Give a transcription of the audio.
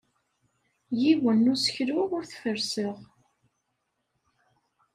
Yiwen n useklu ur t-ferrseɣ.